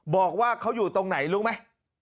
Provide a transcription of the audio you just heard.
บอกว่าเขาอยู่ตรงไหนรู้ไหม